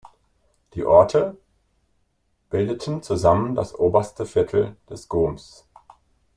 Die Orte bildeten zusammen das oberste Viertel des Goms.